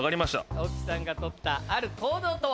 大木さんがとったある行動とは？